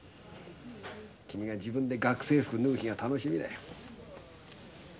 君が自分で学生服脱ぐ日が楽しみだよ。